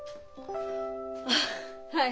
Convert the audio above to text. あっはい。